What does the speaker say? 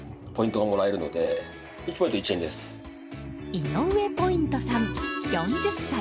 井上ポイントさん、４０歳。